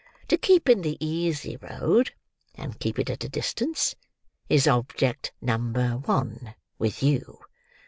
To keep in the easy road, and keep it at a distance, is object number one with you."